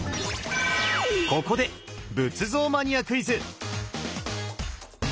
ここで「仏像マニアクイズ」！